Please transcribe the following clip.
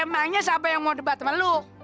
emangnya siapa yang mau debat sama lo